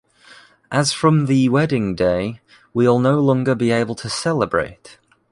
As from the wedding day, we’ll no longer be able to celebrate.